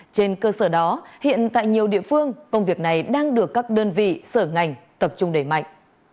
trên cơ sở đó hiện tại nhiều địa phương công việc này đang được các đơn vị sở ngành tập trung đẩy mạnh